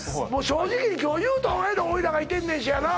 正直に今日は言うた方がええで俺らがいてんねんしやな